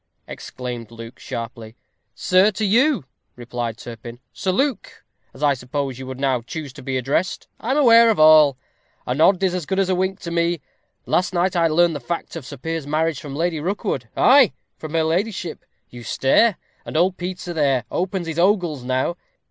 exclaimed Luke, sharply. "Sir to you," replied Turpin "Sir Luke as I suppose you would now choose to be addressed. I am aware of all. A nod is as good as a wink to me. Last night I learned the fact of Sir Piers's marriage from Lady Rookwood ay, from her ladyship. You stare and old Peter, there, opens his ogles now.